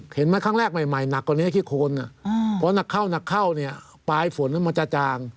พอหนักเข้าเนี่ยปลายฝนมันจะจาง